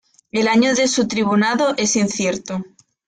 El año de su tribunado es incierto.